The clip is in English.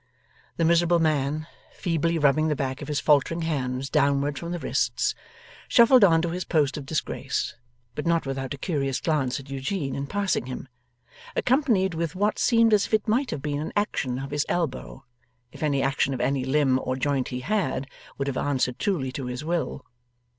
The miserable man, feebly rubbing the back of his faltering hands downward from the wrists, shuffled on to his post of disgrace; but not without a curious glance at Eugene in passing him, accompanied with what seemed as if it might have been an action of his elbow, if any action of any limb or joint he had, would have answered truly to his will.